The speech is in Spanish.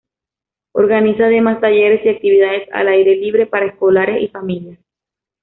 Organiza además talleres y actividades al aire libre para escolares y familias.